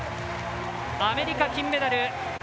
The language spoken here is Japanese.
アメリカ、金メダル。